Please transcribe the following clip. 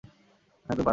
হ্যাঁ, তুমি পারবে।